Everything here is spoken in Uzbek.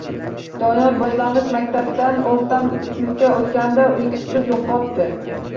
Doniyor boshlang‘ich maktabdan o‘rta sinfga o‘tganida uyqusini yo‘qotdi.